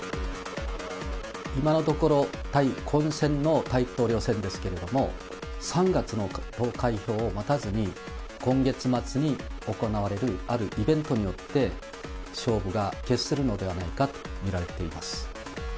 今のところ、大混戦の大統領選ですけれども、３月の投開票を待たずに、今月末に行われる、あるイベントによって、勝負が決するのではないかと見られています。